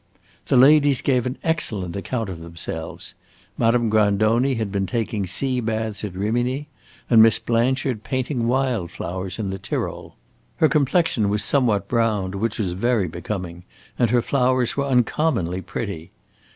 The ladies gave an excellent account of themselves. Madame Grandoni had been taking sea baths at Rimini, and Miss Blanchard painting wild flowers in the Tyrol. Her complexion was somewhat browned, which was very becoming, and her flowers were uncommonly pretty.